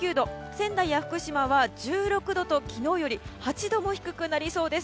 仙台や福島は１６度と昨日より８度も低くなりそうです。